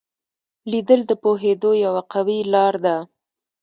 لیدل د پوهېدو یوه قوي لار ده